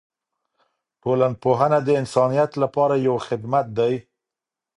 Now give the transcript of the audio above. ټولنپوهنه د انسانیت لپاره یو خدمت دی.